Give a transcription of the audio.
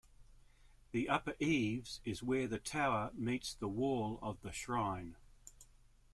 The upper eaves is where the tower meets the wall of the shrine.